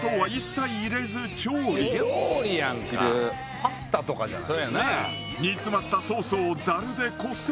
パスタじゃない？